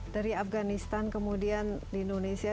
dari afganistan kemudian di indonesia